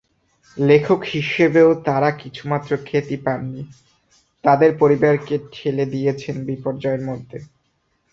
লেখক হিসেবেও তাঁরা কিছুমাত্র খ্যাতি পাননি, তাঁদের পরিবারকে ঠেলে দিয়েছেন বিপর্যয়ের মধ্যে।